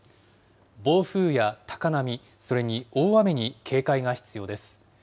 暴風や高波、それに大雨に警戒が必要です。